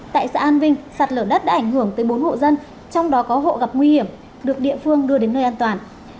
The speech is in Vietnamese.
tại xã an vinh sạt lở đất đã ảnh hưởng tới bốn hộ dân trong đó có hộ gặp nguy hiểm được địa phương đưa đến nơi an toàn